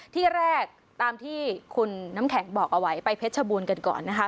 ที่แรกตามที่คุณน้ำแข็งบอกเอาไว้ไปเพชรชบูรณ์กันก่อนนะคะ